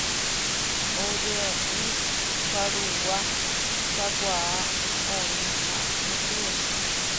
Oje'ói karugua kakuaa oĩha gotyo.